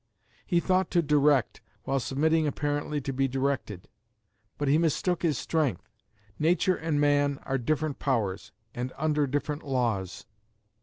He thought to direct, while submitting apparently to be directed. But he mistook his strength. Nature and man are different powers, and under different laws.